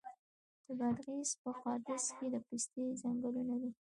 د بادغیس په قادس کې د پستې ځنګلونه دي.